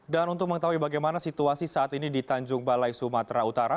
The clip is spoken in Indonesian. dan untuk mengetahui bagaimana situasi saat ini di tanjung balai sumatera utara